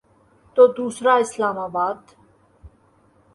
تو دوسرا اسلام آباد۔